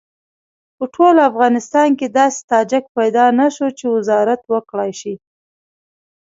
په ټول افغانستان کې داسې تاجک پیدا نه شو چې وزارت وکړای شي.